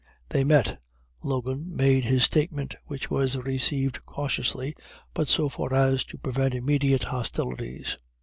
They met Logan made his statement, which was received cautiously, but so far as to prevent immediate hostilities.